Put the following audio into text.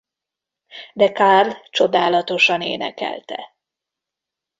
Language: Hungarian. De Carl csodálatosan énekelte.